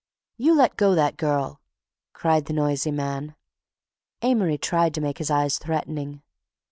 "You let go that girl!" cried the noisy man. Amory tried to make his eyes threatening.